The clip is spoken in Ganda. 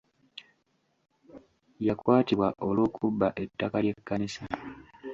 Yakwatibwa olw'okubba ettaka ly'ekkanisa.